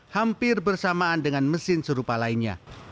hampir bersamaan dengan mesin serupa lainnya